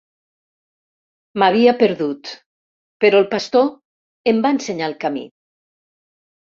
M'havia perdut, però el pastor em va ensenyar el camí.